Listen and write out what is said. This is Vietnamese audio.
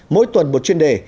mỗi tuần một chuyên đề